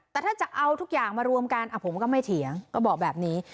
แต่ถ้าจะเอาทุกอย่างมารวมกันผมก็ไม่เถียงก็บอกแบบนี้